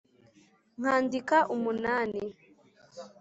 nkandika umunani